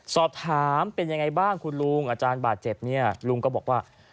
สอบถามเป็นยังไงบ้างคุณลุงอาจารย์บาดเจ็บเนี่ยลุงก็บอกว่า